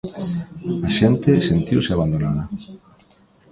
A xente sentiuse abandonada.